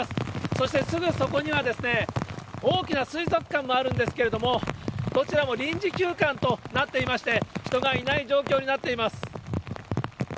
そして、すぐそこにはですね、大きな水族館もあるんですけれども、どちらも臨時休館となっていまして、人がいない状況になっています。